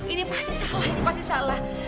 ini pasti sekolah ini pasti salah